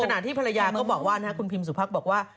ขนาดที่ภรรยาก็บอกว่านะฮะคุณพิมพ์สุภักดิ์บอกว่า